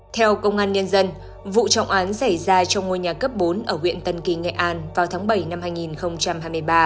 theo công an nhân dân vụ trọng án xảy ra trong ngôi nhà cấp bốn ở huyện tân kỳ nghệ an vào tháng bảy năm hai nghìn hai mươi ba